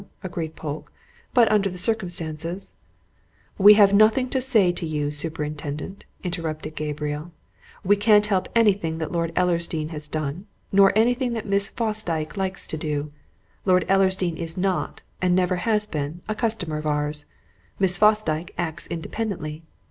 agreed Polke. "But, under the circumstances " "We have nothing to say to you, superintendent," interrupted Gabriel. "We can't help anything that Lord Ellersdeane has done, nor anything that Miss Fosdyke likes to do. Lord Ellersdeane is not, and never has been, a customer of ours. Miss Fosdyke acts independently.